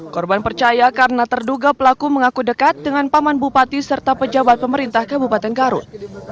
korban percaya karena terduga pelaku mengaku dekat dengan paman bupati serta pejabat pemerintah kabupaten garut